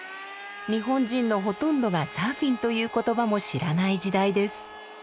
日本人のほとんどがサーフィンという言葉も知らない時代です。